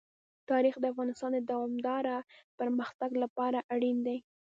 تاریخ د افغانستان د دوامداره پرمختګ لپاره اړین دي.